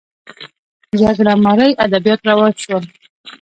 جګړه مارۍ ادبیات رواج شول